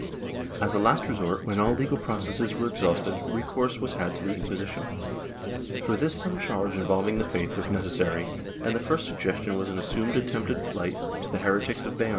As a last resort, when all legal processes were exhausted, recourse was had to the Inquisition. For this some charge involving the faith was necessary and the first suggestion was an assumed attempted flight to the heretics of Beam.